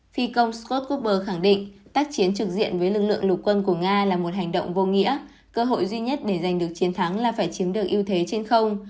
phi công scott gober khẳng định tác chiến trực diện với lực lượng lục quân của nga là một hành động vô nghĩa cơ hội duy nhất để giành được chiến thắng là phải chiếm được ưu thế trên không